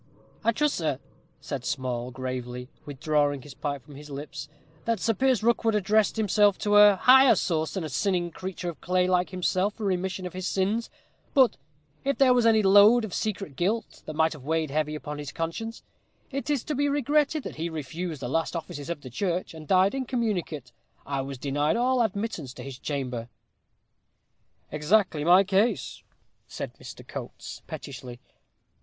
"I trust, sir," said Small, gravely withdrawing his pipe from his lips, "that Sir Piers Rookwood addressed himself to a higher source than a sinning creature of clay like himself for remission of his sins; but, if there was any load of secret guilt that might have weighed heavy upon his conscience, it is to be regretted that he refused the last offices of the church, and died incommunicate. I was denied all admittance to his chamber." "Exactly my case," said Mr. Coates, pettishly.